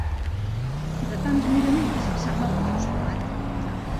De tants miraments, s'ha malacostumat.